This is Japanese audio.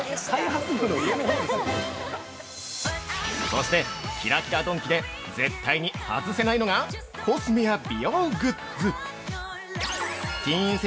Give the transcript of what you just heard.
◆そして、キラキラドンキで絶対に外せないのがコスメや美容グッズ。